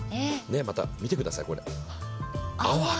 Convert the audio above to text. また、見てください、これ、鮑。